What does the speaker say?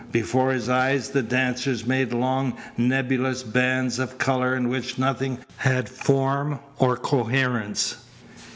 Before his eyes the dancers made long nebulous bands of colour in which nothing had form or coherence.